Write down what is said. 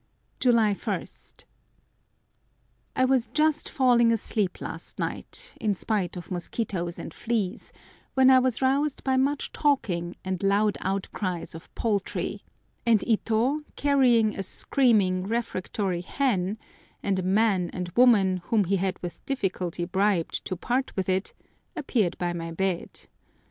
July 1.—I was just falling asleep last night, in spite of mosquitoes and fleas, when I was roused by much talking and loud outcries of poultry; and Ito, carrying a screaming, refractory hen, and a man and woman whom he had with difficulty bribed to part with it, appeared by my bed.